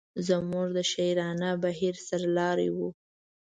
زموږ د شاعرانه بهیر سر لاری و.